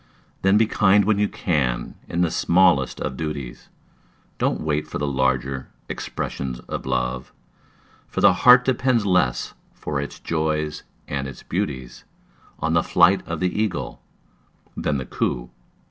Then be kind when you can in the smallest of duties, Don't wait for the larger expressions of Love; For the heart depends less for its joys and its beauties On the flight of the Eagle than coo of the Dove.